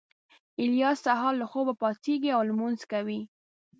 الیاس سهار له خوبه پاڅېږي او لمونځ کوي